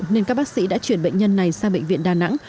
nên các bác sĩ đã chuyển bệnh nhân này sang bệnh viện đà nẵng